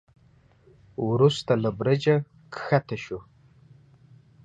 وروسته له برجه کښته شو.